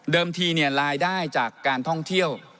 ทีรายได้จากการท่องเที่ยว